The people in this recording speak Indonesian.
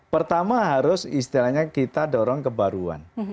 pertama harus istilahnya kita dorong kebaruan